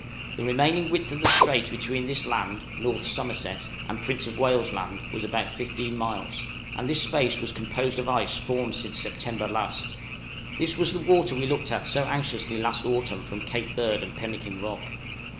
The remaining width of the strait between this land (North Somerset) and Prince of Wales' Land was about 15 miles, and this space was composed of ice formed since September last; this was the water we looked at so anxiously last autumn from Cape Bird and Pemmican Rock.